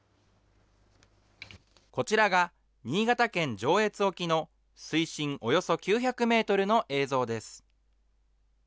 こちらが、新潟県上越沖の水深およそ９００メートルの映像です。